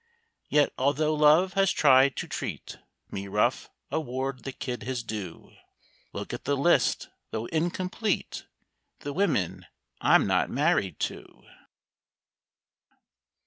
Yet although Love has tried to treat Me rough, award the kid his due. Look at the list, though incomplete: The women I'm not married to.